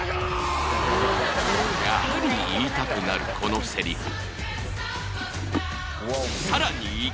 やはり言いたくなるこのセリフ